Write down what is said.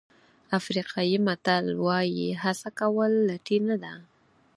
افریقایي متل وایي هڅه کول لټي نه ده.